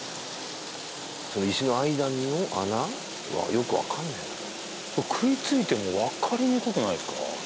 その石の間の穴よく分かんねえな食いついても分かりにくくないですか？